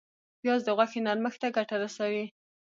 پیاز د غوښې نرمښت ته ګټه رسوي